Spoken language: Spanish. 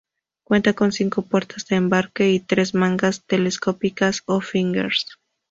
Cuenta con cinco puertas de embarque, y tres mangas telescópicas o fingers.